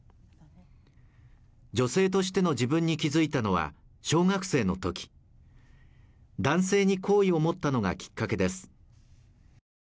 女性としての自分に気付いたのは小学生の時男性に好意を持ったのがきっかけです